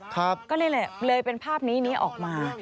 ก็เลยเลยเป็นภาพนี้นี้ออกมา